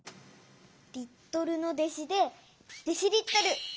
リットルの弟子でデシリットル。